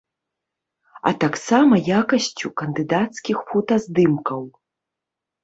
А таксама якасцю кандыдацкіх фотаздымкаў.